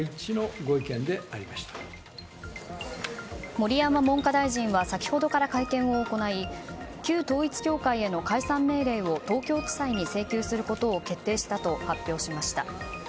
盛山文科大臣は先ほどから会見を行い旧統一教会への解散命令を東京地裁に請求することを決定したと発表しました。